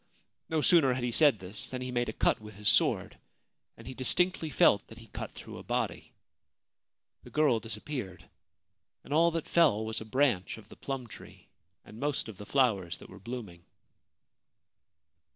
No sooner had he said this than he made a cut with his sword, and he distinctly felt that he cut through a body. The girl disappeared, and all that fell was a branch of the plum tree and most of the flowers that were blooming.